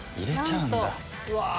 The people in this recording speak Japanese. うわ！